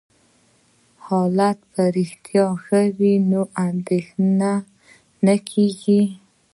حالت په رښتیا ښه دی، نو اندېښنه نه کېږي.